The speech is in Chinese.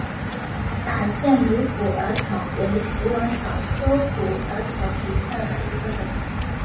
打箭炉虎耳草为虎耳草科虎耳草属下的一个种。